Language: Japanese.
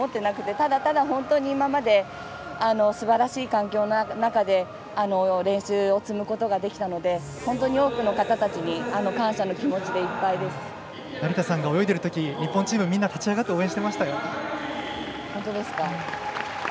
ただただ、本当に今まですばらしい環境の中で練習を積むことができたので本当に多くの方たちに成田さんが泳いでるとき日本チームみんな立ち上がって応援してましたよ。